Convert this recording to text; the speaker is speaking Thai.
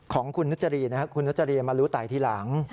ของคุณนุษย์จารียมารู้ไตทีหลัง